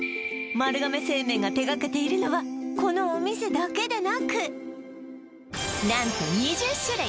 丸亀製麺が手がけているのはこのお店だけでなく何と２０種類